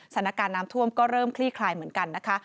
สถานการณ์น้ำท่วมก็เริ่มคลี่คลายเหมือนกันนะคะ